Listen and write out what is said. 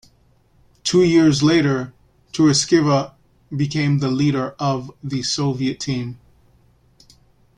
Two years later, Tourischeva became the leader of the Soviet team.